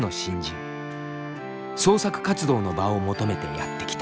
創作活動の場を求めてやって来た。